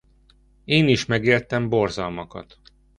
Én is megéltem borzalmakat.